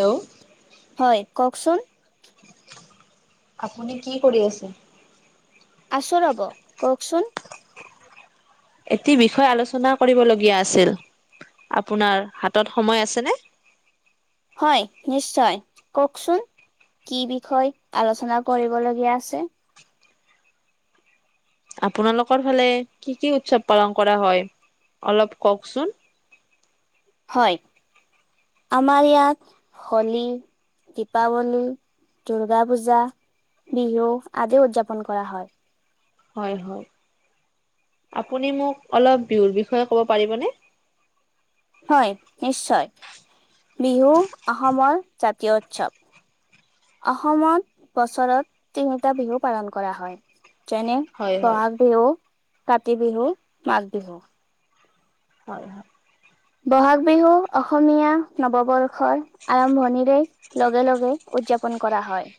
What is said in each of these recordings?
Hello হয় কওকচোন। আপুনি কি কৰি আছে। আছো ৰ'ব কওকচোন। এটি বিষয়ে আলোচনা কৰিবলগীয়া আছিল। আপোনাৰ হাতত সময় আছেনে। হয় নিশ্চয় কওকচোন। কি বিষয় আলোচনা কৰিবলগীয়া আছে। আপোনালোকৰ ফালে কি-কি উৎসৱ পালন কৰা হয় অলপ কওকচোন। [inaudible] হয় আমাৰ ইয়াত হলী, দীপাৱলী, দুৰ্গা পূজা বিহু আদিও উদযাপন কৰা হয়। হয়-হয়। আপুনি মোক অলপ বিহুৰ বিষয়ে ক'ব পাৰিবনে? হয়, নিশ্চয় বিহু অসমৰ জাতীয় উৎসৱ। অসমত বছৰত তিনটা বিহু পালন কৰা হয়। যেনে হয় - হয়। বহাগ বিহু, কাতি বিহু, মাঘ বিহু। হয় - হয় বহাগ বিহু অসমীয়া নৱবৰ্ষৰ আৰম্ভণিৰেই লগে - লগেই - উদযাপন কৰা হয়।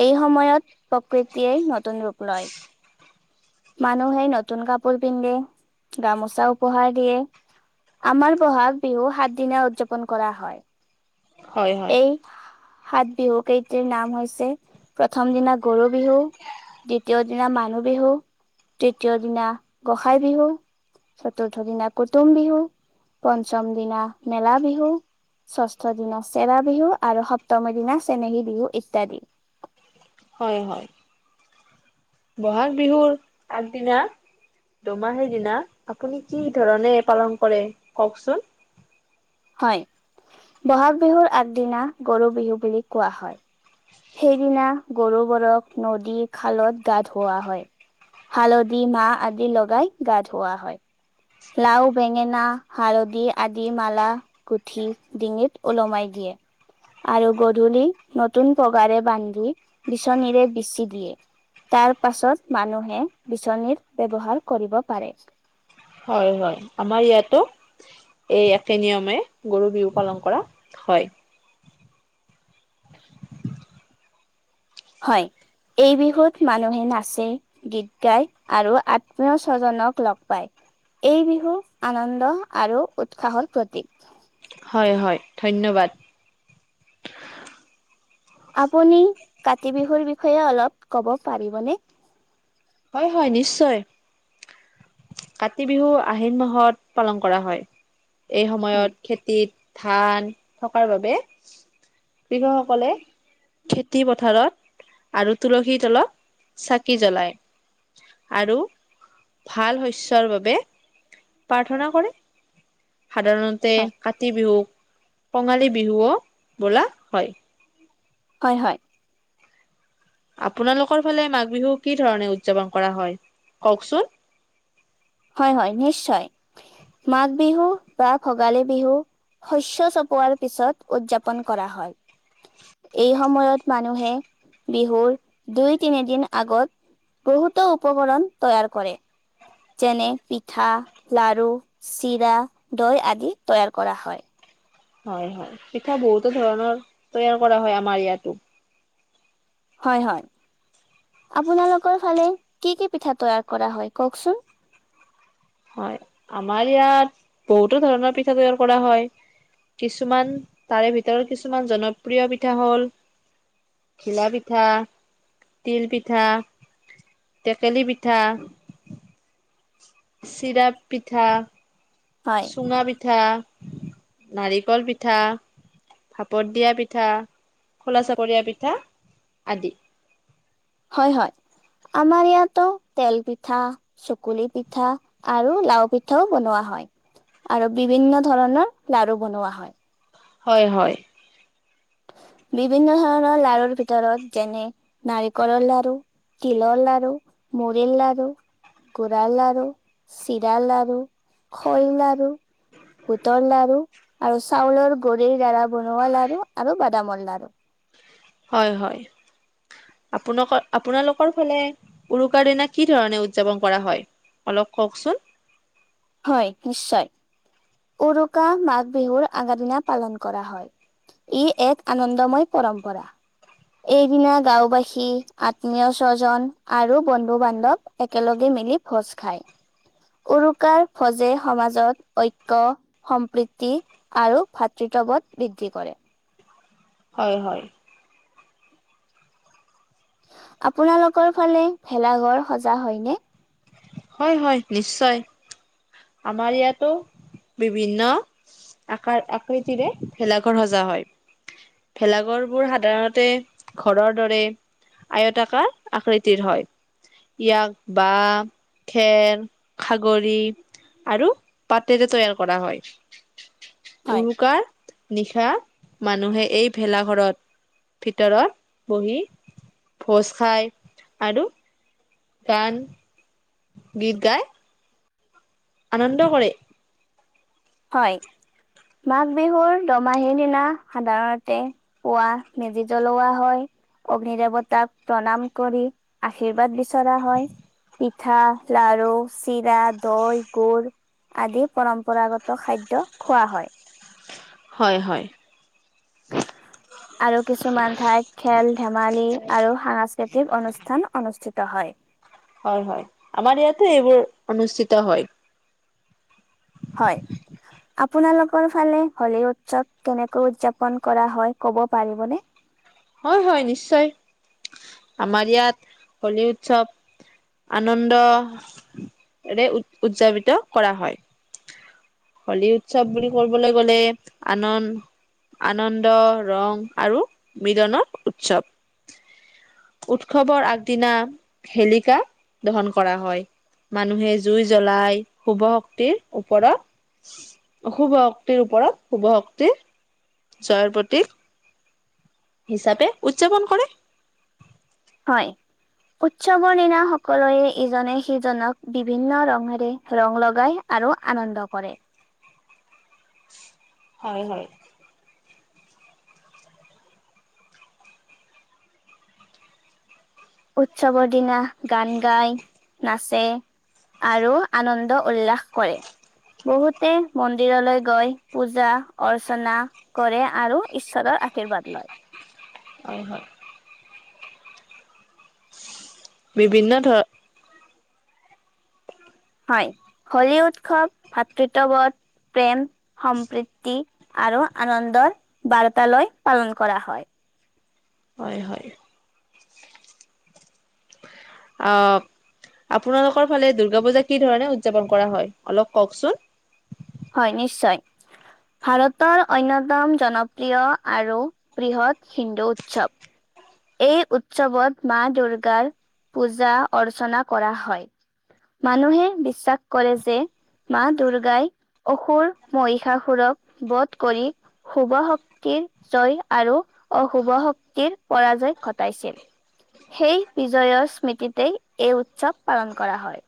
এই সময়ত প্ৰকৃতিয়ে নতুন ৰূপ লয়। মানুহে নতুন কাপোৰ পিন্ধে গামোচা উপহাৰ দিয়ে আমাৰ বহাগ বিহু সাত দিনা উদযাপন কৰা হয়। হয় - হয়। এই সাত বিহু কেইটিৰ নাম হৈছে প্ৰথম দিনা গৰু বিহু - দ্বিতীয় দিনা মানুহ বিহু, তৃতীয় দিনা গোসাঁই বিহু। চতুৰ্থ দিনা কুটুম বিহু পঞ্চম দিনা মেলা বিহু, ষষ্ঠ দিনা চেৰা বিহু, আৰু সপ্তমীৰ দিনা চেনেহী বিহু ইত্যাদি। হয়, হয়, বহাগ বিহুৰ আগদিনা দুমাহীৰ দিনা আপুনি কি ধৰণে পালন কৰে কওঁকচোন? হয়, বহাগ বিহুৰ আগদিনা গৰু বিহু বুলি কোৱা হয়। সেইদিনা গৰুবোৰক নদী, খালত গা ধুৱোৱা হয়। হালদি, মাহ আদি লগাই গা ধুওৱা হয়। লাও বেঙেনা হালদি আদি মালা গুঠি ডিঙিত ওলমাই দি [unintelligible] আৰু গধূলি নতুন পগাৰে বান্ধি বিচনীৰে বিচি দিয়ে তাৰ পাছত মানুহে বিচনীৰ ব্যৱহাৰ কৰিব পাৰে। হয়- হয় আমাৰ ইয়াতো। এই একেই নিয়মে গৰু বিহু পালন কৰা হয়। হয়। এই বিহুত মানুহে নাচে, গীত গায়, আৰু আত্মীয় স্বজনক লগ পায়। এই বিহু আনন্দ আৰু উৎসাহৰ প্ৰতীক। হয় হয়। ধন্যবাদ। আপুনি কাতি বিহুৰ বিষয়ে অলপ ক'ব পাৰিবনে? হয়- হয় নিশ্চয়। কাতি বিহু আহিন মাহত পালন কৰা হয়। এই সময়ত খেতিত ধান থকাৰ বাবে। কৃষকসকলে খেতি পথাৰত আৰু তুলসীৰ তলত চাকি জ্বলায়। আৰু ভাল শস্যৰ বাবে প্ৰাৰ্থনা কৰে সাধাৰণতে কাতি বিহুক কঙালী বিহুও বোলা হয়। হয় হয়। আপোনালোকৰ ফালে মাঘ বিহু কি ধৰণে উদযাপন কৰা হয় কওকচোন। হয়- হয় নিশ্চয় মাঘ বিহু বা ভোগালী বিহু শস্য চপোৱাৰ পিছত উদযাপন কৰা হয়। এই সময়ত মানুহে বিহুৰ দুই, তিনিদিন আগত বহুতো উপকৰণ তৈয়াৰ কৰে। যেনে পিঠা, লাৰু, চিৰা, দৈ, আদি তৈয়াৰ কৰা হয়। হয় হয় পিঠা বহুতো ধৰণৰ তৈয়াৰ কৰা হয় আমাৰ ইয়াতো। হয় হয়। আপোনালোকৰ ফালে কি কি পিঠা তৈয়াৰ কৰা হ'য় কওকচোন। হয়, আমাৰ ইয়াত বহুতো ধৰণৰ পিঠা তৈয়াৰ কৰা হয়। কিছুমান, তাৰে ভিতৰত কিছুমান জনপ্ৰিয় পিঠা হ'ল ঘিলা পিঠা, তিল পিঠা। টেকেলি পিঠা। চিৰাপ পিঠা হয় চুঙা পিঠা নাৰিকল পিঠা ভাপত দিয়া পিঠা খোলা চাপৰীয়া পিঠা আদি হয় হয় আমাৰ ইয়াতো তেল পিঠা চুকুলি পিঠা আৰু লাও পিঠাও বনোৱা হ হয় আৰু বিভিন্ন ধৰণৰ লাৰু বনোৱা হয় হয় হয় বিভিন্ন ধৰণৰ লাৰুৰ ভিতৰত যেনে নাৰিকলৰ লাৰু তিলৰ লাৰু মুৰিৰ লাৰু গুড়াৰ লাৰু চিৰাৰ লাৰু শৈ লাৰু বুটৰ লাৰু আৰু চাউলৰ গুৰিৰ দ্বাৰা বনোৱা লাৰু আৰু বা বাদামৰ লাৰু হয় হয় আপোনোক আপোনালোকৰ ফালে উৰুকাৰ দিনা কি ধৰণে উদযাপন কৰা হয় অলপ কওকচোন হয় নিশ্চয়। উৰুকা মাঘ বিহুৰ আগা দিনা পালন কৰা হয় ই এক আনন্দময় পৰম্পৰা এইদিনা গাঁওবাসী আত্মীয় স্বজন আৰু বন্ধু বান্ধৱ একেলগে মিলি ভোজ খায়। উৰুকাৰ ভোজে সমাজত ঐক্য, সম্প্ৰীতি আৰু ভাতৃত্ব বোধ বৃদ্ধি কৰে। হয়, হয়। আপোনালোকৰ ফালে ভেলাঘৰ সজা হয় নে। হয়- হয় নিশ্চয় আমাৰ ইয়াতো বিভিন্ন আকাৰ আকৃতিৰে ভেলাঘৰ সজা হয়। ভেলাঘৰবোৰ সাধাৰণতে ঘৰৰ দৰে। আয়তাকাৰ আকৃতিৰ হয় ইয়াক বা খেৰ, খাগৰি আৰু পাতেৰে তৈয়াৰ কৰা হয়। হয়। উৰুকাৰ নিশ তথা মানুহে এই ভেলাঘৰত ভিতৰত বহি ভোজ খাই আৰু। গান গীত গায়। আনন্দ কৰে। হয়। মাঘ বিহুৰ দমাহীৰ দিনা সাধাৰণতে, পুৱা মেজি জ্বলোৱা হয়। অগ্নি দেৱতাক প্ৰণাম কৰি আশীৰ্বাদ বিচৰা হয়। পিঠা লাৰু চিৰা দৈ গুুৰ আদি পৰম্পৰাগত খাদ্য খোৱা হয়। হয়- হয়। আৰু কিছুমান ঠাইত খেল ধেমালি আৰু সাংস্কৃতিক অনুষ্ঠান অনুষ্ঠিত হয়। হয়- হয় আমাৰ ইয়াতে এইবোৰ অনুষ্ঠিত হয়। হয়। আপোনালোকৰ ফালে হলী উৎসৱ কেনেকৈ উদযাপন কৰা হয়, ক'ব পাৰিবনে? হয়- হয় নিশ্চয় আমাৰ ইয়াত হোলী উৎসৱ আনন্দৰে উ উদযাপিত কৰা হয়। হ'লী উৎসৱ বুলি ক'বলৈ গ'লে আনন্দ আনন্দ ৰং আৰু মিলনত উৎসৱ। উৎসৱৰ আগদিনা হেলিকা দহন কৰা হয়। মানুহে জুই জ্বলাই শুভ শক্তিৰ ওপৰত অশুভ শক্তিৰ ওপৰত শুভ শক্তিৰ জয়ৰ প্ৰতীক। হিচাপে উদযাপন কৰে। হয়। উৎসৱৰ দিনা সকলোয়ে ইজনে সিজনক বিভিন্ন ৰঙেৰে ৰং লগাই। আৰু আনন্দ কৰে। হয়-হয়। উৎসৱৰ দিনা গান গাই, নাচে। আৰু আনন্দ উল্লাস কৰে। বহুতে মন্দিৰলৈ গৈ পূজা অৰ্চনা কৰে আৰু ঈশ্বৰত আশীৰ্বাদ লয়। হয়- হয়। বিভিন্ন ধ হয়, হলী উৎসৱ ভাতৃত্ববোধ। প্ৰেম সম্প্ৰীতি আৰু আনন্দৰ বাৰ্তালৈ পালন কৰা হয়। হয়-হয়। অ'। আপোনালোকৰ ফালে দুৰ্গা পূজা কি ধৰণে উদযাপন কৰা হয় অলপ কওকচোন। হয় নিশ্চয়। ভাৰতৰ অন্যতম জনপ্ৰিয় আৰু বৃহৎ হিন্দু উৎসৱ। এই উৎসৱত মা দুৰ্গাৰ পূজা অৰ্চনা কৰা হয়। মানুহে বিশ্বাস কৰে যে মা দুৰ্গাই অসুৰ মহিষাসুৰক বধ কৰি শুভ শক্তি। জয় আৰু অশুভ শক্তিৰ পৰাজয় ঘটাইছিল। সেই বিজয়ৰ স্মৃতিতেই এই উৎসৱ পালন কৰা হয়।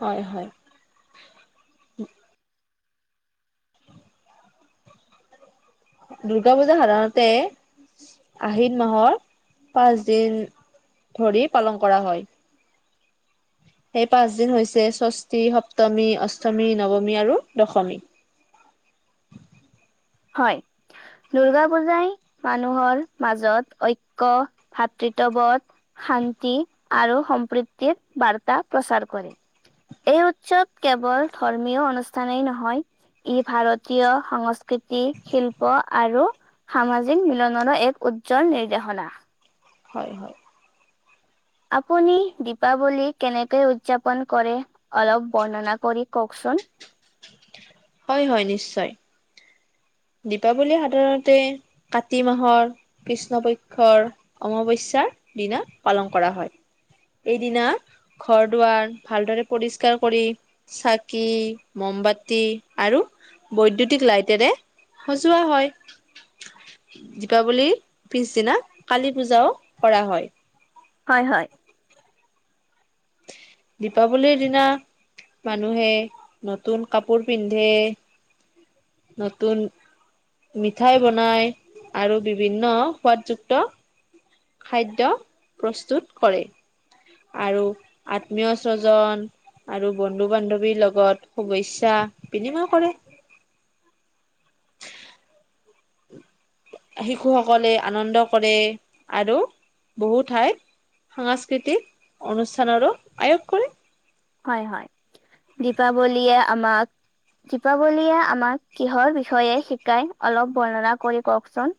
হয়- হয়। দুৰ্গা পূজা সাধাৰণতে আহিন মাহৰ পাঁচদিন ধৰি পালন কৰা হয়। সেই পাঁচদিন হৈছে ষষ্ঠী, সপ্তমী, অষ্টমী, নৱমী আৰু দশমী। [inaudible] হয় দুৰ্গা পূজাই মানুহৰ মাজত ঐক্য ভাতৃ তবধ শান্তি আৰু সম্প্ৰীতিৰ বাৰ্তা প্ৰচাৰ কৰে। এই উৎসৱ কেৱল ধৰ্মীয় অনুষ্ঠানেই নহয় ই ভাৰতীয় সংচ কৃতি শিল্প আৰু সামাজিক মিলনৰো এক উজ্জ্বল নিৰ্দেশনা। হয়- হয়। আপুনি দিপাৱলী কেনেকেই উদযাপন কৰে অলপ বৰ্ণনা কৰি কওকচোন। [unintelligible] হয় হয় নিশ্চয় দীপাৱলী সাধাৰণতে কাতি মাহৰ কৃষ্ণপক্ষৰ অমাৱস্যাৰ। দিনা পালন কৰা হয় এইদিনা ঘৰ, দুৱাৰ ভালদৰে পৰিষ্কাৰ কৰি চাকি, ম বাতি আৰু বৈদ্যুতিক লাইটেৰে সজোৱা হয়। দীপাৱলীৰ পিছদিনা কালী পূজাও কৰা হয়। হয়, হয়। দীপাৱলীৰ দিনা মানুহে নতুন কাপোৰ পিন্ধে। নতুন মিঠাই বনাই আৰু বিভিন্ন সোৱাদযুক্ত খাদ্য প্ৰস্তুত কৰে। আৰু আত্মীয়স্বজন আৰু বন্ধু বান্ধৱীৰ লগত শুভেচ্ছা বিনিময় কৰে। শিশুসকলে আনন্দ কৰে আৰু বহু ঠাইত সাংস্কৃতিক অনুষ্ঠানৰো আয়োগ কৰে। হয়-হয় দীপাৱলীয়ে আমাক দীপাৱলীয়ে আমাক কিহৰ বিষয়ে শিকাই অলপ বৰ্ণনা কৰি কওকচোন।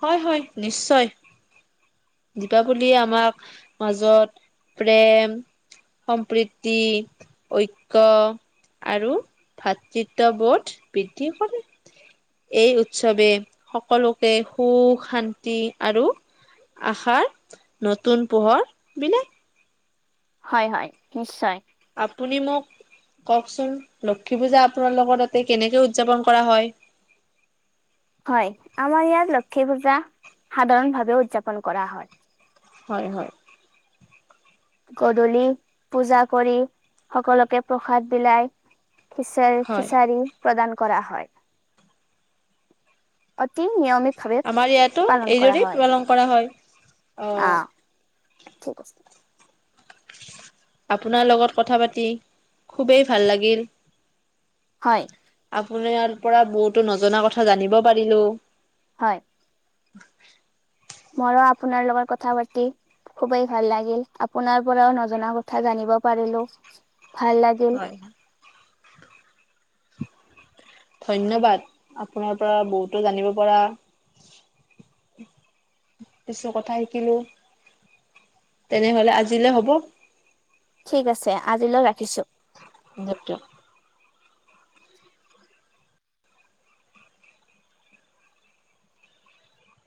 হয়, হয়, নিশ্চয়। দীপাৱলী আমাক মাজত প্ৰেম সম্প্ৰীতি, ঐক্য। আৰু ভাতৃত্ববোধ বৃদ্ধি কৰে। এই উৎসৱে সকলোকে সুখ শান্তি আৰু আশাৰ নতুন পোহৰ বিনে। হয়- হয় নিশ্চয়। আপুনি মোক কওকচোন লক্ষী পূজা আপোনাৰ লগত তাতে কেনেকে উদযাপন কৰা হয়। হয় আমাৰ ইয়াত লক্ষী পূজা সাধাৰণ ভাৱে উদযাপন কৰা হয়। হয়- হয়। গধূলি পূজা কৰি সকলোকে প্ৰসাদ বিলাই। খিচাৰ হয়, খিচাৰী। প্ৰদান কৰা হয় অতি নিয়মিত ভাৱে আমাৰ ইয়াতো পালন কৰা এইদৰেই হয়। পালন কৰা হয়। অ'। আহ [unintelligible] আপোনাৰ লগত কথা পাতি খুবেই ভাল লাগিল। হয়। আপোনাৰ পৰা বহুতো নজনা কথা জানিব পাৰিলোঁ। হয়। [unintelligible] মৰো আপোনাৰ লগত কথা পাতি খুবেই ভাল লাগিল আপোনাৰ পৰাও নজনা কথা জানিব পাৰিলো। ভাল লাগিল। ধন্যবাদ আপোনাৰ পৰা বহুতো জানিব পৰা কিছু কথা শিকিলোঁ। তেনেহলে আজিলে হ'ব ঠিক আছে আজিলৈ ৰাখিছো। [unintelligible]